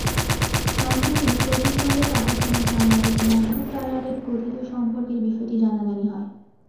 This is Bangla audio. সম্প্রতি শশীর সঙ্গে পাকিস্তানি সাংবাদিক মেহর তারারের কথিত সম্পর্কের বিষয়টি জানাজানি হয়।